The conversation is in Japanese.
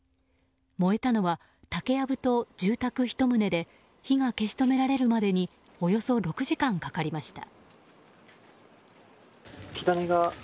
燃えたのは、竹やぶと住宅１棟で火が消し止められるまでにおよそ６時間かかりました。